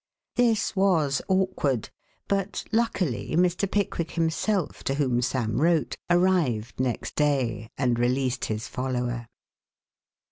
This was awkward, but luckily, Mr. Pickwick himself, to whom Sam wrote, arrived next day and released his follower.